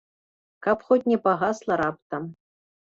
Каб хоць не пагасла раптам.